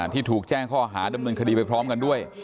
ที่ถูกแจ้งข้อหาดำเนินคดีไปพร้อมกันด้วย